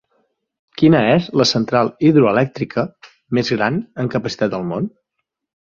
Quina és la central hidroelèctrica més gran en capacitat del món?